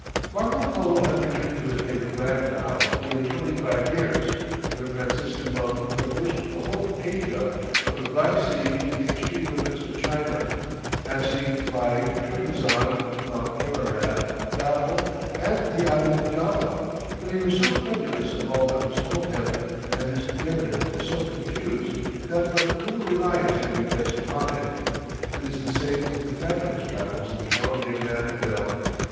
Marco Polo had returned to his native land now nearly twenty five years, when a Franciscan monk traversed the whole of Asia, from the Black Sea to the extreme limits of China, passing by Trebizond, Mount Ararat, Babel, and the island of Java; but he was so credulous of all that was told him, and his narrative is so confused, that but little reliance can be placed upon it. It is the same with the fabulous travels of Jean de Mandeville.